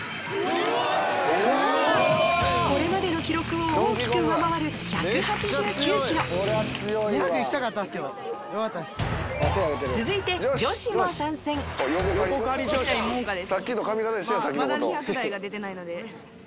これまでの記録を大きく上回る１８９キロ続いてセキタニモモカです。